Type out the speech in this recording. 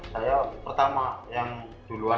saya pertama yang duluan